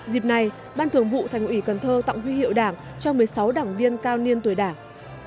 dịp này ban thường vụ thành ủy cần thơ tặng huy hiệu đảng cho một mươi sáu đảng viên cao niên tuổi đảng